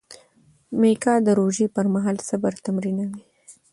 میکا د روژې پر مهال صبر تمرینوي.